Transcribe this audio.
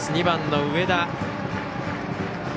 ２番の上田。